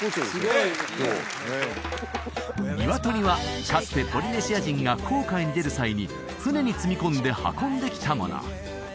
すごいニワトリはかつてポリネシア人が航海に出る際に船に積み込んで運んできたもの